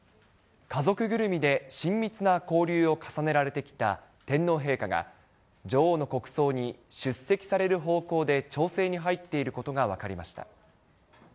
家族ぐるみで親密な交流を重ねられてきた天皇陛下が、女王の国葬に出席される方向で調整に入っていることが分かりました。